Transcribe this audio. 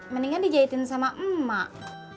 mendingan dijahitin sama emak